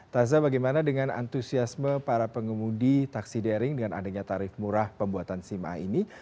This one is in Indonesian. taza bagaimana dengan antusiasme para pengemudi taksi daring dengan adanya tarif murah pembuatan sim a ini